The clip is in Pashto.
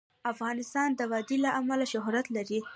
افغانستان د وادي له امله شهرت لري.